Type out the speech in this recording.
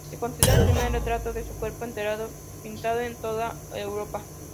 Se considera el primer retrato de cuerpo entero pintado en toda Europa.